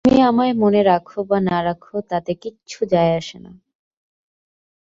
তুমি আমায় মনে রাখো বা না রাখো তাতে কিচ্ছু যায় আসে না।